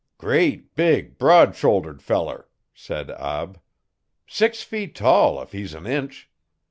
'Great, big, broad shouldered feller,' said Ab. 'Six feet tall if he's an inch.